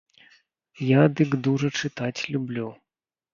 Я дык дужа чытаць люблю.